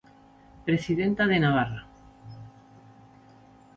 Presidenta de Navarra.